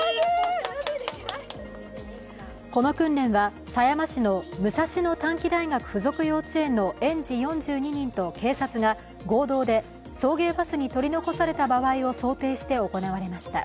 この訓練は狭山市の武蔵野短期大学附属幼稚園の園児４２人と警察が合同で送迎バスに取り残された場合を想定して行われました。